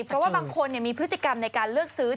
เพราะว่าบางคนมีพฤติกรรมในการเลือกซื้อ